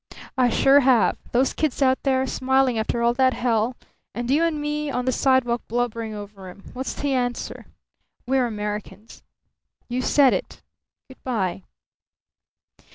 "I sure have. Those kids out there, smiling after all that hell; and you and me on the sidewalk, blubbering over 'em! What's the answer? We're Americans!" "You said it. Good bye."